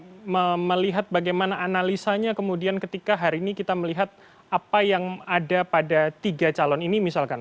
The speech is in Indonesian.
bagaimana melihat bagaimana analisanya kemudian ketika hari ini kita melihat apa yang ada pada tiga calon ini misalkan